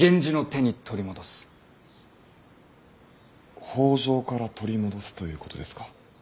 北条から取り戻すということですか。